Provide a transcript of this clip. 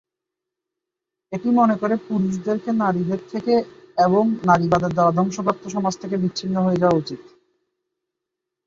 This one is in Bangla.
এটি মনে করে পুরুষদেরকে নারীদের থেকে এবং "নারীবাদের দ্বারা ধ্বংসপ্রাপ্ত সমাজ" থেকে বিছিন্ন হয়ে যাওয়া উচিত।